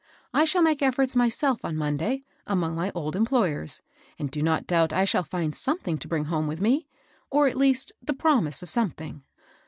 I shall make efforts myself on Monday, among my old employers, and do not doubt I shall find sometliing to bring home with me, or, at least, the promise of something.